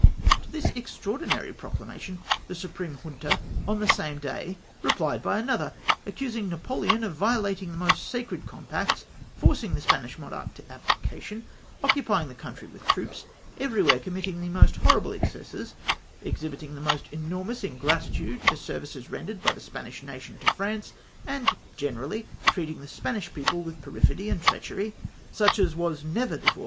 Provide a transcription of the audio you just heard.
To this extraordinary proclamation the Supreme Junta, on the same day, replied by another, accushig Napoleon of violating the most sacred compacts, forcing the Spanish monarch to abdication, occupyuig the country with troops, everywhere committing the most horrible excesses, exhibiting the most enormous ingratitude for services rendered by the Spanish nation to France, and generally treating the Spanish people with perfidy and treachery, such as was never before * Afterwards ambassador to China, where his lordship died. 254 SPAIN DECLARES WAR AGAINST FRANCE.